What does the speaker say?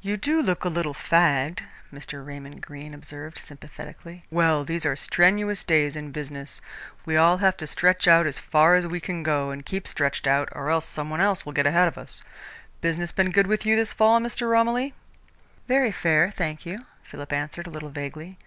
"You do look a little fagged," Mr. Raymond Greene observed sympathetically. "Well, these are strenuous days in business. We all have to stretch out as far as we can go, and keep stretched out, or else some one else will get ahead of us. Business been good with you this fall, Mr. Romilly?" "Very fair, thank you," Philip answered a little vaguely.